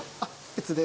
別で。